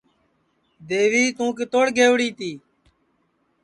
دیوی تُوں کِتوڑ گئوڑی تی